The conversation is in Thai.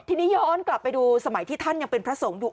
ทีนี้ย้อนกลับไปดูสมัยที่ท่านยังเป็นพระสงฆ์อยู่